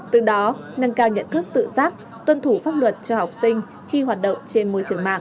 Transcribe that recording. từ đó nâng cao nhận thức tự giác tuân thủ pháp luật cho học sinh khi hoạt động trên môi trường mạng